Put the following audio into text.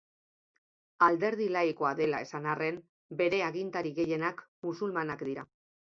Alderdi laikoa dela esan arren, bere agintari gehienak musulmanak dira.